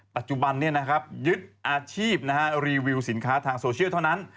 ปัจจุบันยึดอาชีพรีวิวสินค้าทางโซเชียลเท่านั้น